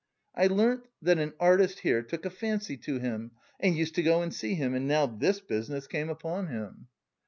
I learnt that an artist here took a fancy to him, and used to go and see him, and now this business came upon him.